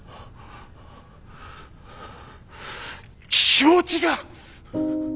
気持ちが！